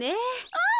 うん！